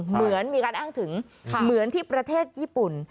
เหมือนมีการอ้างถึงเหมือนที่ประเทศญี่ปุ่น